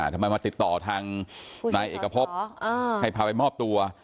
ทำไมมาติดต่อทางนายเอกพบให้พาไปมอบตัว